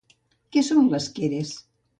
Què són les Keres?